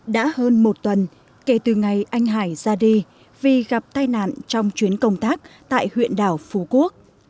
đã hơn một tuần kể từ ngày anh hải ra đi vì gặp tai nạn trong chuyến công tác tại huyện đảo phú quốc